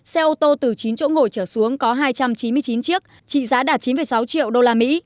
xe ô tô từ chín chỗ ngồi trở xuống có hai trăm chín mươi chín chiếc trị giá đạt chín sáu triệu usd